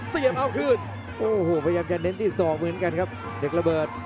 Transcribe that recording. เสียบเอาคืนโอ้โหพยายามจะเน้นที่ศอกเหมือนกันครับเด็กระเบิด